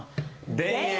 『田園』！